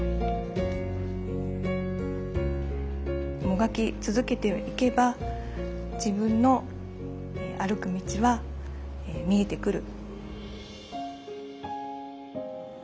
もがき続けていけば自分の歩く道は見えてくる。